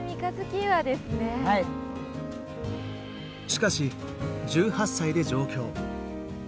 しかし１８歳で上京。